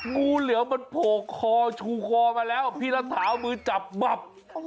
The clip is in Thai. งูเหลือมมันโผล่คอชูคอมาแล้วพี่รัฐาเอามือจับบับ